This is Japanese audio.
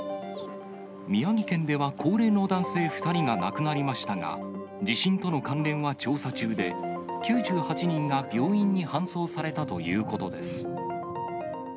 宮城県では高齢の男性２人が亡くなりましたが、地震との関連は調査中で、９８人が病院に搬送されたということです。